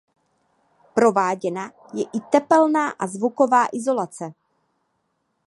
Prováděna je i tepelná a zvuková izolace.